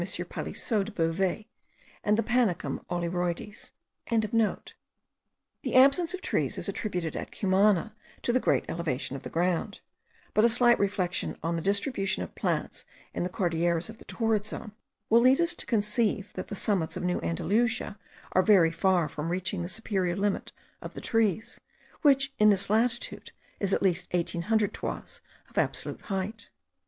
Palissot de Beauvais; and the Panicum olyroides.) The absence of trees is attributed at Cumana to the great elevation of the ground; but a slight reflection on the distribution of plants in the Cordilleras of the torrid zone will lead us to conceive that the summits of New Andalusia are very far from reaching the superior limit of the trees, which in this latitude is at least 1800 toises of absolute height.